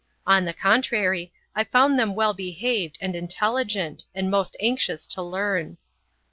On the contrary I found them well behaved and intelligent and most anxious to learn.